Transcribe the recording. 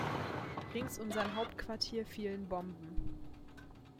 Rings um sein Hauptquartier fielen Bomben.